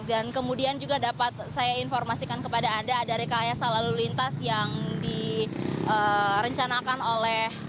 dan kemudian juga dapat saya informasikan kepada anda ada rekayasa lalu lintas yang direncanakan oleh